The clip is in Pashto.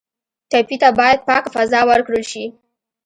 ټپي ته باید پاکه فضا ورکړل شي.